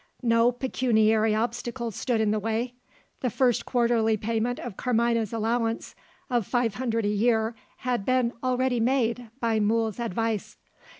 No pecuniary obstacle stood in the way. The first quarterly payment of Carmina's allowance of five hundred a year had been already made, by Mool's advice.